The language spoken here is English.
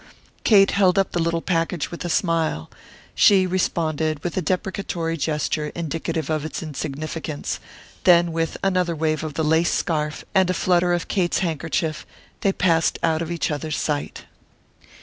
Kate held up the little package with a smile; she responded with a deprecatory gesture indicative of its insignificance, then with another wave of the lace scarf and a flutter of Kate's handkerchief, they passed out of each other's sight.